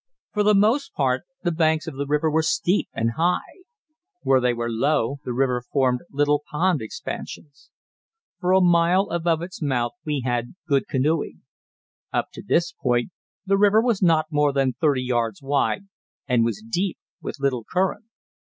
For the most part the banks of the river were steep and high; where they were low the river formed little pond expansions. For a mile above its mouth we had good canoeing. Up to this point the river was not more than thirty yards wide, and was deep, with little current.